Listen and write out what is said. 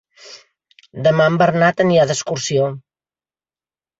Demà en Bernat anirà d'excursió.